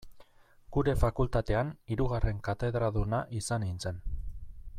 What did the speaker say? Gure fakultatean, hirugarren katedraduna izan nintzen.